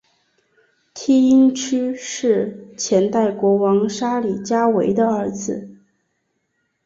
梯因屈是前代国王沙里伽维的儿子。